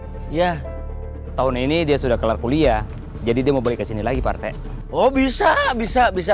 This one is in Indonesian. oh iya tahun ini dia sudah kelar kuliah jadi dia mau balik ke sini lagi partai oh bisa bisa